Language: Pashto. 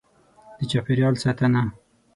. د چاپېریال ساتنه: